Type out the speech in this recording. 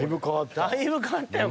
だいぶ変わったよ